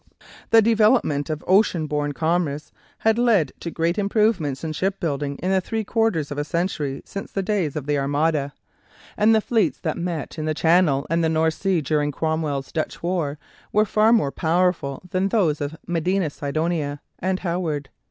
The development of ocean borne commerce had led to great improvements in shipbuilding in the three quarters of a century since the days of the Armada, and the fleets that met in the Channel and the North Sea during Cromwell's Dutch war were far more powerful than those of Medina Sidonia and Howard.